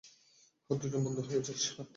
আর দুজন বন্ধু হয়ে যাস, হ্যাঁ?